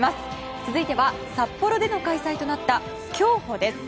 続いては札幌での開催となった競歩です。